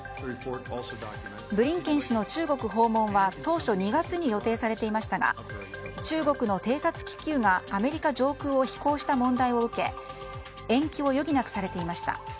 ブリンケン氏の中国訪問は当初、２月に予定されていましたが中国の偵察気球がアメリカ上空を飛行した問題を受け延期を余儀なくされていました。